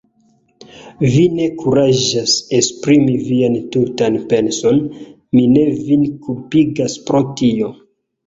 Vi ne kuraĝas esprimi vian tutan penson; mi ne vin kulpigas pro tio.